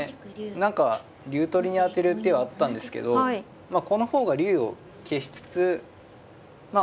何か竜取りに当てる手はあったんですけどこの方が竜を消しつつまあ